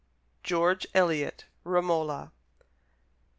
George Eliot: "Romola."